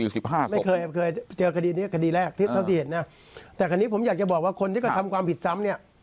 ไม่เคยเคยเจอคดีนี้คดีแรกที่เท่าที่เห็นนะแต่คราวนี้ผมอยากจะบอกว่าคนที่กระทำความผิดซ้ำเนี่ย